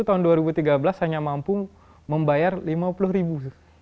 tahun dua ribu tiga belas hanya mampu membayar lima puluh ribu